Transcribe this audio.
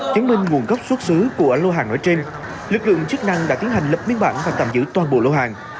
chứng minh nguồn gốc xuất xứ của lô hàng nói trên lực lượng chức năng đã tiến hành lập biên bản và tạm giữ toàn bộ lô hàng